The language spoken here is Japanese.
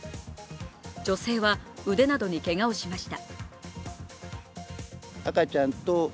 女性は腕などにけがをしました。